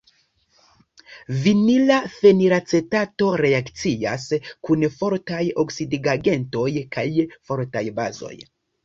Vinila fenilacetato reakcias kun fortaj oksidigagentoj kaj fortaj bazoj.